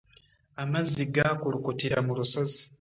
Amazzi gakulukutira mu lusozi.